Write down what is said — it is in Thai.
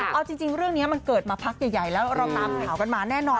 เอาจริงเรื่องนี้มันเกิดมาพักใหญ่แล้วเราตามข่าวกันมาแน่นอน